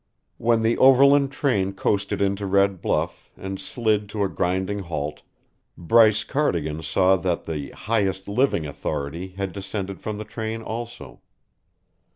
When the overland train coasted into Red Bluff and slid to a grinding halt, Bryce Cardigan saw that the Highest Living Authority had descended from the train also.